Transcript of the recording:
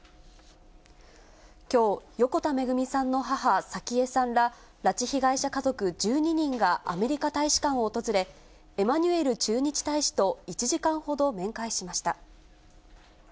きょう、横田めぐみさんの母、早紀江さんら拉致被害者家族１２人が、アメリカ大使館を訪れ、エマニュエル駐日大使と１時間ほど面会しました。